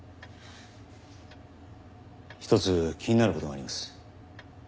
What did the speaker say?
一つ気になる事があります。